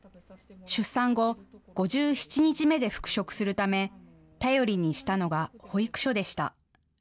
出産後５７日目で復職するため頼りにしたのは保育所でした。